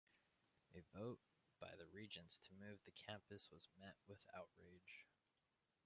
A vote by the regents to move the campus was met with outrage.